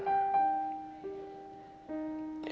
dan kamu selalu bisa menguatkan orang lain